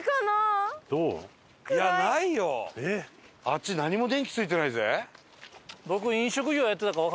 あっち何も電気ついてないぜ。